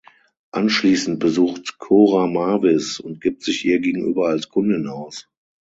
Anschließend besucht Cora Mavis und gibt sich ihr gegenüber als Kundin aus.